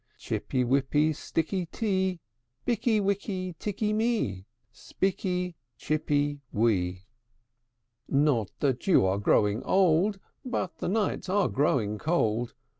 Chippy wippy sikky tee, Bikky wikky tikky mee, Spikky chippy wee! III. "Not that you are growing old; But the nights are growing cold.